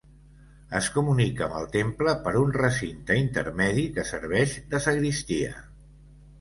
Es comunica amb el temple per un recinte intermedi que serveix de sagristia.